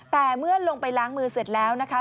แต่เมื่อลงไปล้างมือเสร็จแล้วนะคะ